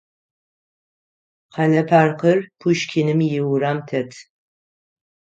Къэлэ паркыр Пушкиным иурам тет.